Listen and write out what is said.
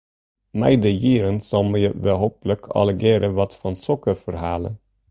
Mei de jierren sammelje we hooplik allegearre wat fan sokke ferhalen.